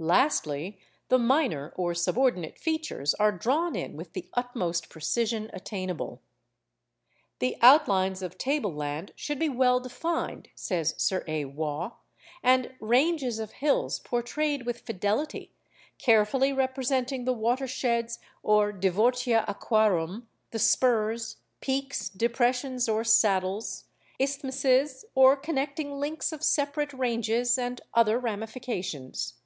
Lastly, the minor or subordinate features are drawn in with the utmost precision attainable. 'The outlines of table land should be well defined,' says Sir A. Waugh, 'and ranges of hills portrayed with fidelity, carefully representing the watersheds or divortia aquarum, the spurs, peaks, depressions or saddles, isthmuses or connecting links of separate ranges, and other ramifications.